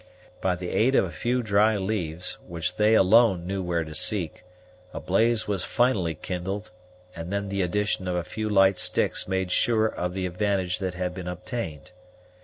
By the aid of a few dry leaves, which they alone knew where to seek, a blaze was finally kindled, and then the addition of a few light sticks made sure of the advantage that had been obtained.